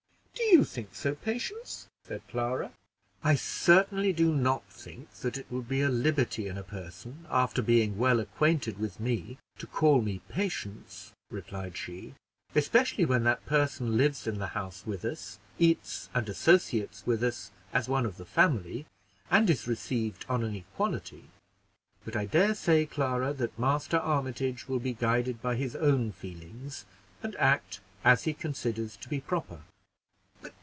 "Do you think so, Patience?" said Clara. "I certainly do not think that it would be a liberty in a person, after being well acquainted with me, to call me Patience," replied she; "especially when that person lives in the house with us, eats and associates with us as one of the family, and is received on an equality; but I dare say, Clara, that Master Armitage will be guided by his own feelings, and act as he considers to be proper."